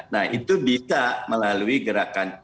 nah itu bisa melalui gerakan